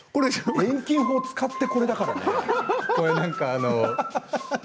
遠近法を使ってこれだからね。